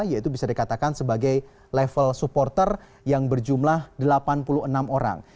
yaitu bisa dikatakan sebagai level supporter yang berjumlah delapan puluh enam orang